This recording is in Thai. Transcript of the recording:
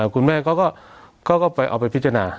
คุณแม่เขาก็ไปเอาไปพิจารณา